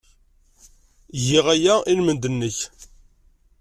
Giɣ aya i lmendad-nnek.